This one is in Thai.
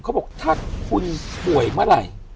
เขาบอกถ้าคุณป่วยเมื่อไหร่